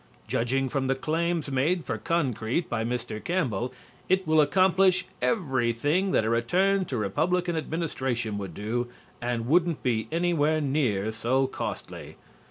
Judging from the claims made for concrete by Mr. Campbell, it will accomplish everything that a return to Republican administration would do, and wouldn't be anywhere near so costly.